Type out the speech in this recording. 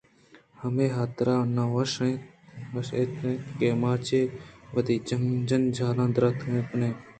آہمے حاترا نہ وش اِت اَنت کہ ما چہ وتی جنجالاں دراتک نہ کنیں